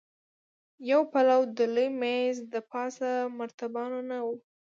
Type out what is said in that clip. يو پلو د لوی مېز دپاسه مرتبانونه وو.